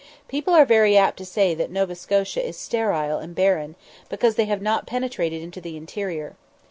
People are very apt to say that Nova Scotia is sterile and barren, because they have not penetrated into the interior.